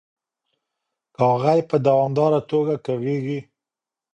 کاغۍ په دوامداره توګه کغیږي.